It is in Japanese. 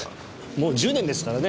もう１０年ですからね。